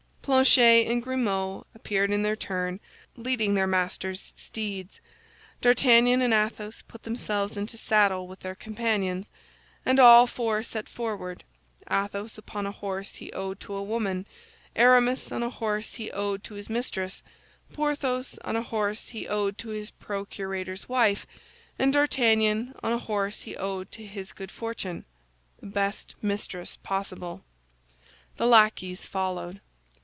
Planchet and Grimaud appeared in their turn, leading their masters' steeds. D'Artagnan and Athos put themselves into saddle with their companions, and all four set forward; Athos upon a horse he owed to a woman, Aramis on a horse he owed to his mistress, Porthos on a horse he owed to his procurator's wife, and D'Artagnan on a horse he owed to his good fortune—the best mistress possible. The lackeys followed.